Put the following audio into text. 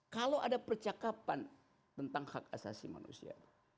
kalau ada percakapan tentang hak asasi manusia